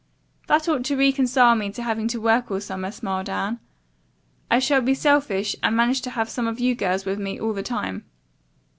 "That ought to reconcile me to having to work all summer," smiled Anne. "I shall be selfish and manage to have some of you girls with me all the time."